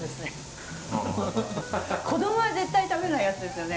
子供は絶対食べないやつですよね？